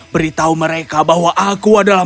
beritahu mereka bahwa aku adalah